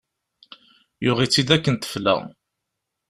Yuɣ-itt-id akken tefla.